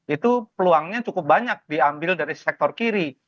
itu peluangnya cukup banyak diambil dari sektor kiri